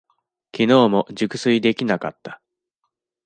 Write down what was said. きのうも熟睡できなかった。